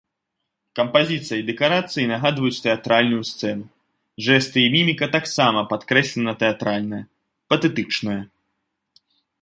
Кампазіцыя і дэкарацыі нагадваюць тэатральную сцэну, жэсты і міміка таксама падкрэслена тэатральныя, патэтычныя.